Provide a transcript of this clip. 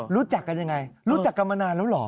รู้จักกันยังไงรู้จักกันมานานแล้วเหรอ